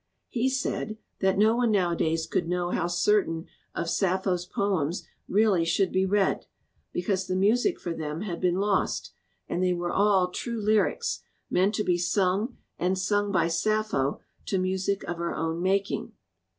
He said that no one nowadays could know how certain of Sappho's poems really should be read, because the music for them had been 280 LET POETRY BE FREE lost, and they were all true lyrics, meant to be sung and sung by Sappho to music of her own making.